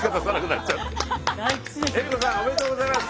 江里子さんおめでとうございます。